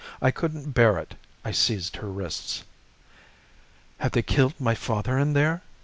I couldn't bear it; I seized her wrists. "'Have they killed my father in there?